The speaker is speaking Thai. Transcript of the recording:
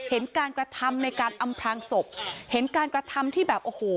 เห็นการกระทำในการอำพลางศพเห็นการกระทำที่แบบโอ้โห